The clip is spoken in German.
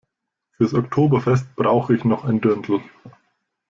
Fürs Oktoberfest brauche ich noch ein Dirndl.